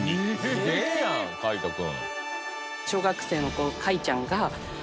すげえやん翔大君。